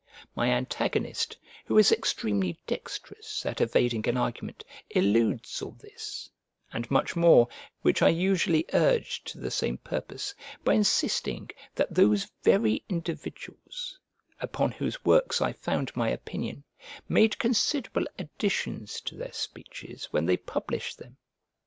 My antagonist, who is extremely dexterous at evading an argument, eludes all this, and much more, which I usually urge to the same purpose, by insisting that those very individuals, upon whose works I found my opinion, made considerable additions to their speeches when they published them.